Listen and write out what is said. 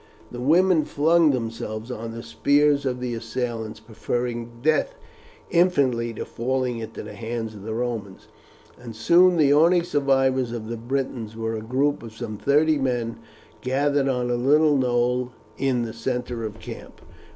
The women flung themselves on the spears of the assailants, preferring death infinitely to falling into the hands of the Romans; and soon the only survivors of the Britons were a group of some thirty men gathered on a little knoll in the centre of the camp.